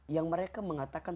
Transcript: yang mereka mengatakan